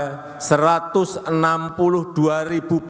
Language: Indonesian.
satu ratus enam puluh dua juta rupiah